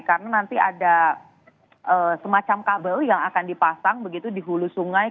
karena nanti ada semacam kabel yang akan dipasang begitu di hulu sungai